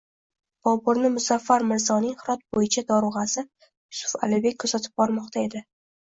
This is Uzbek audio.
Boburni Muzaffar mirzoning Xirot boʻyicha dorugʻasi Yusuf Alibek kuzatib bormoqda edi.